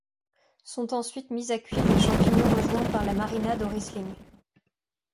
Sont ensuite mis à cuire les champignons rejoints par la marinade au riesling.